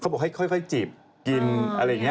บอกให้ค่อยจีบกินอะไรอย่างนี้